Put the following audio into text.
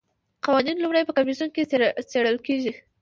قوانین لومړی په کمیسیون کې څیړل کیږي.